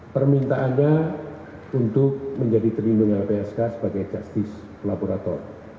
permintaannya untuk menjadi terlindung lpsk sebagai justice collaborator